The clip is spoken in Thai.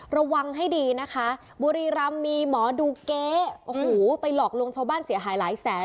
ระวังให้ดีนะคะบุรีรำมีหมอดูเก๊โอ้โหไปหลอกลวงชาวบ้านเสียหายหลายแสน